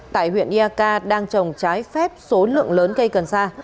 tại huyện ia ca đang trồng trái phép số lượng lớn cây cần sa